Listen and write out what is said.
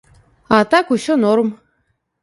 А так усё норм.